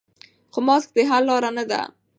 خو ماسک د حل لاره نه ده.